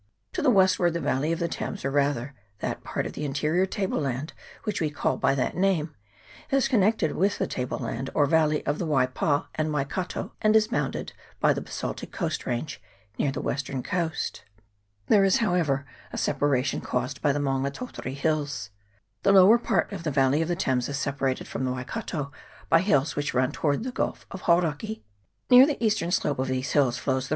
To the westward the valley of the Thames, or rather that part of the interior table land which we call by that name, is connected with the table land or valley of the Waipa and Waikato, and is bounded by the basaltic coast range near the western coast. There is, however, a separation caused by the Maunga Tautari Hills. The lower part of the valley of the Thames is separated from the Waikato by hills which run toward the Gulf of Hauraki, Near the eastern slope of these hills flows the 414 WAIHO AND PIAKO.